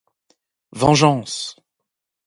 Vengeance!